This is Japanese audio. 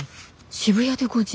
「渋谷で５時」。